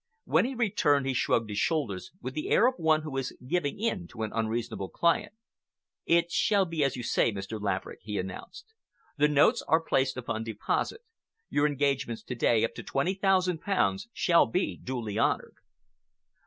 When he returned, he shrugged his shoulders with the air of one who is giving in to an unreasonable client. "It shall be as you say, Mr. Laverick," he announced. "The notes are placed upon deposit. Your engagements to day up to twenty thousand pounds shall be duly honored."